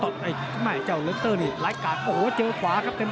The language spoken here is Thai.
ไลก์กัดโอ้โหเจอความเป็นไลก์ครับเต็ม